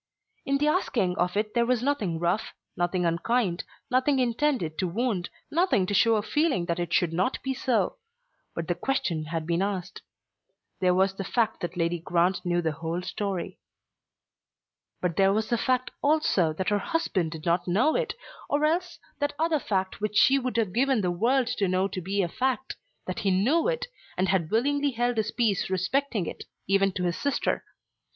In the asking of it there was nothing rough, nothing unkind, nothing intended to wound, nothing to show a feeling that it should not be so; but the question had been asked. There was the fact that Lady Grant knew the whole story. But there was the fact also that her husband did not know it, or else that other fact which she would have given the world to know to be a fact, that he knew it, and had willingly held his peace respecting it, even to his sister.